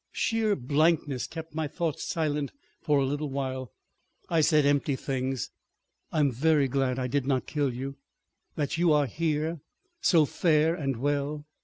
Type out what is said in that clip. Sheer blankness kept my thoughts silent for a little while; I said empty things. "I am very glad I did not kill you—that you are here, so fair and well.